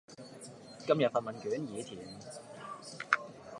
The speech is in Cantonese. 今日份問卷已填